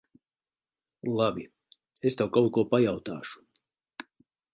Labi. Es tev kaut ko pajautāšu.